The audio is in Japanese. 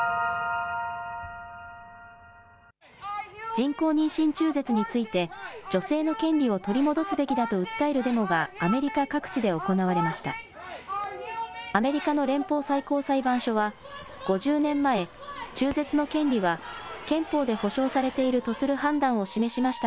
人工妊娠中絶について、女性の権利を取り戻すべきだと訴えるデモが、アメリカ各地で行われました。